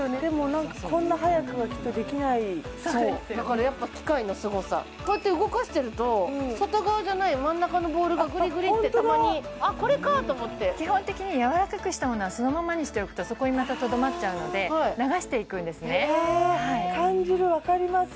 何かこんな速くはきっとできないそうだからやっぱ機械のすごさこうやって動かしてると外側じゃない真ん中のボールがグリグリってたまに「あっこれか！」と思って基本的にやわらかくしたものはそのままにしておくとそこにまたとどまっちゃうので流していくんですね感じる分かります